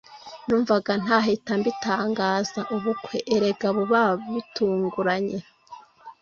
Numvaga ntahita mbitangaza […] Ubukwe erega buba bitunguranye